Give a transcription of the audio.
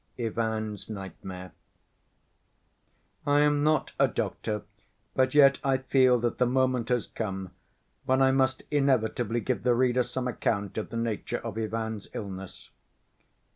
Ivan's Nightmare I am not a doctor, but yet I feel that the moment has come when I must inevitably give the reader some account of the nature of Ivan's illness.